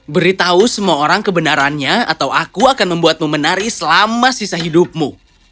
beritahu semua orang kebenarannya atau aku akan membuatmu menari selama sisa hidupmu